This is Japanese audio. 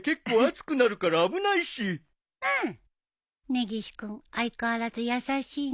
根岸君相変わらず優しいね